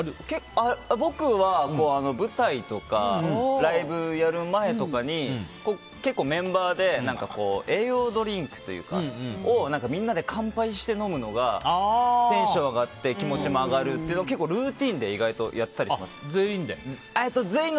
僕は舞台とかライブやる前とかに結構、メンバーで栄養ドリンクをみんなで乾杯して飲むのがテンション上がって気持ちも上がるというのでルーティンで全員で？